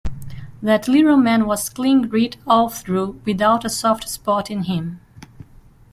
That little man was clean grit all through, without a soft spot in him.